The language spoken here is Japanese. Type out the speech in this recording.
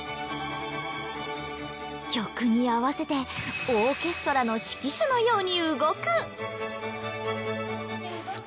曲に合わせてオーケストラの指揮者のように動く。